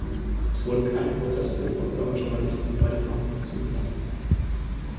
Es wurden keine Prozessbeobachter und Journalisten bei der Verhandlung zugelassen.